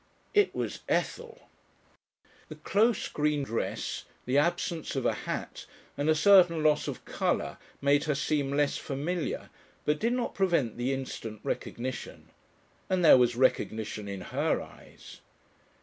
It was Ethel! The close green dress, the absence of a hat, and a certain loss of colour made her seem less familiar, but did not prevent the instant recognition. And there was recognition in her eyes.